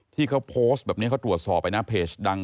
ที่เขาโพสต์แบบนี้เขาตรวจสอบไปนะเพจดัง